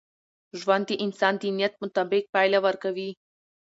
ژوند د انسان د نیت مطابق پایله ورکوي.